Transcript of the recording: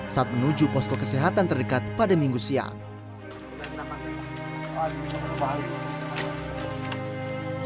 saat menuju posko kesehatan terdekat pada minggu siang